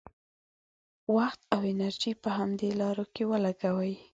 وخت او انرژي په همدې لارو کې ولګوي.